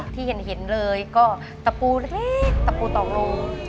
ที่เห็นเลยก็ตะปูเล็กตะปูตอกโล